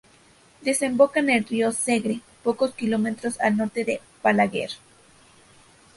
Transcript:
Desemboca en el río Segre, pocos kilómetros al norte de Balaguer.